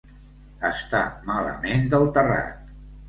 Estar malament del terrat.